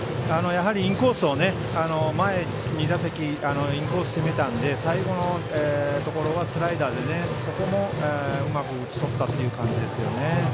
やはり、インコースを前２打席インコースを攻めたので最後の所はスライダーでそこも、うまく打ちとったっていう感じですね。